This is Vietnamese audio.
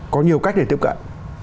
có nhiều cách để tiếp cận